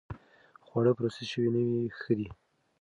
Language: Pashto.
خواړه پروسس شوي نه وي، ښه دي.